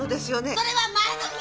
それは前の日。